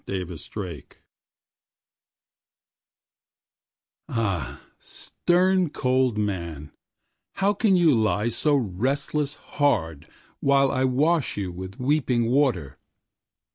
Lawrence AH stern cold man, How can you lie so relentless hardWhile I wash you with weeping water!